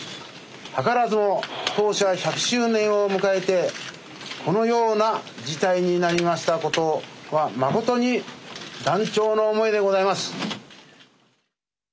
図らずも当社１００周年を迎えてこのような事態になりましたことは誠に断腸の思いでございます。